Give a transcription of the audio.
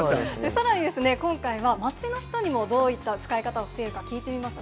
さらにですね、今回は街の人にもどういった使い方をしているか聞いてみました。